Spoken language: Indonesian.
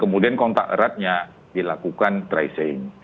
kemudian kontak eratnya dilakukan tracing